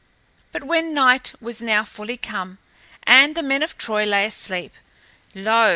But when night was now fully come and the men of Troy lay asleep, lo!